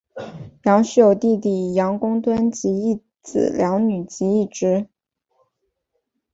杨氏有弟弟杨圣敦及一子两女及一侄。